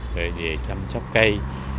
về chăm sóc cây